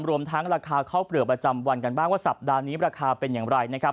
รวมทั้งราคาข้าวเปลือกประจำวันกันบ้างว่าสัปดาห์นี้ราคาเป็นอย่างไรนะครับ